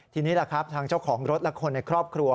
ทีนี้แหละครับทางเจ้าของรถและคนในครอบครัว